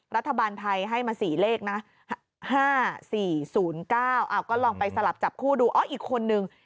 รัฐบาลไทยให้มา๔เลขนะ๕๔๐๙ก็ลองไปสลับจับคู่ดูอีกคนนึง